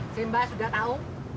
si mba sudah tahu